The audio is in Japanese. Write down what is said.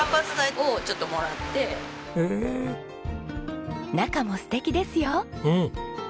中も素敵ですよ。